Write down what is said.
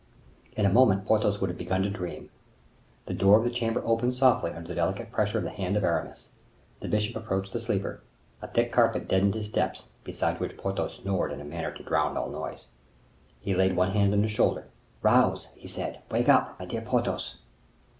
In a moment Porthos would have begun to dream. The door of the chamber opened softly under the delicate pressure of the hand of Aramis. The bishop approached the sleeper. A thick carpet deadened his steps, besides which Porthos snored in a manner to drown all noise. He laid one hand on his shoulder—"Rouse," said he, "wake up, my dear Porthos."